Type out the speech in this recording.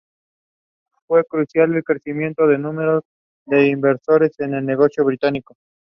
Imad Wasim was named as the captain of the team.